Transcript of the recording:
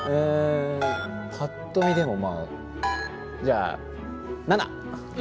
パッと見でもまあじゃあ７！